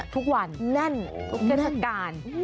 ทุกวันแน่นทุกเกษตรการ